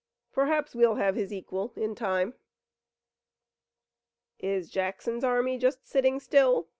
Perhaps we'll have his equal in time." "Is Jackson's army just sitting still?"